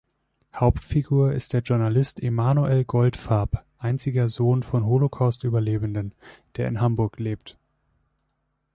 Hauptfigur ist der Journalist Emanuel Goldfarb, einziger Sohn von Holocaust-Überlebenden, der in Hamburg lebt.